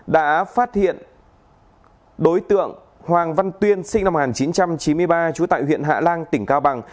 đã phát hiện đối tượng hoàng văn tuyên sinh năm một nghìn chín trăm chín mươi ba trú tại huyện hạ lan tỉnh cao bằng